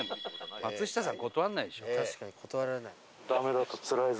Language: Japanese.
確かに断らない。